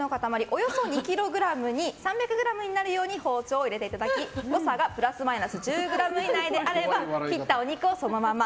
およそ２ｋｇに３００ｇになるように包丁を入れていただき誤差がプラスマイナス１０ｇ以内であれば切ったお肉をそのまま。